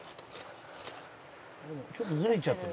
「ちょっとズレちゃってる」